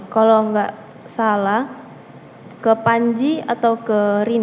kalau nggak salah ke panji atau ke rina